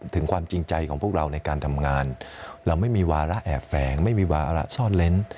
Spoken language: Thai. ถึงความจริงใจของพวกเราในการทำงานเราไม่มีวาระแอบแฝงไม่มีวาระซ่อนเล้น